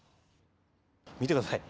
見てください。